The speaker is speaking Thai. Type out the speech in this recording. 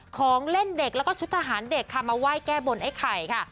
ของเล่นเด็กแล้วก็ชุดทหารเด็กค่ะมาไหว้แก้บนไอ้ไข่ค่ะ